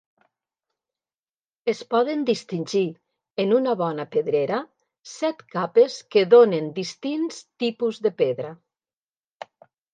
Es poden distingir, en una bona pedrera, set capes que donen distints tipus de pedra.